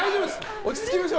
落ち着きましょう。